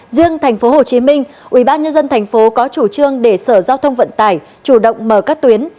riêng tp hcm ubnd tp có chủ trương để sở giao thông vận tải chủ động mở các tuyến